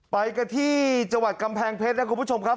ไปกันที่จังหวัดกำแพงเพชรนะคุณผู้ชมครับ